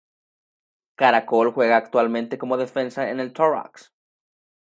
Caracol juega actualmente como defensa en el Torrox.